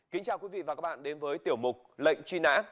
kính chào quý vị và các bạn đến với tiểu mục lệnh truy nã